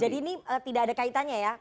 ini tidak ada kaitannya ya